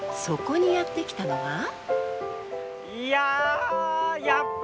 そこにやって来たのは。